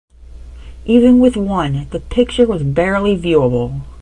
Even with one, the picture was barely viewable.